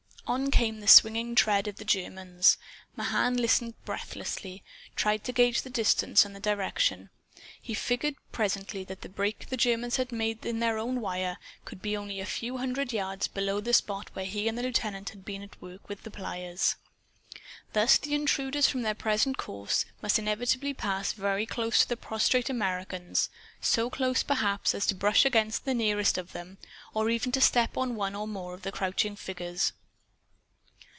On came the swinging tread of the Germans. Mahan, listening breathlessly, tried to gauge the distance and the direction. He figured, presently, that the break the Germans had made in their wire could be only a few yards below the spot where he and the lieutenant had been at work with the pliers. Thus the intruders, from their present course, must inevitably pass very close to the prostrate Americans so close, perhaps, as to brush against the nearest of them, or even to step on one or more of the crouching figures.